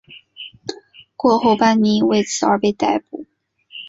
过后班尼为此而被逮捕。